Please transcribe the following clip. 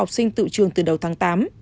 học sinh tự trường từ đầu tháng tám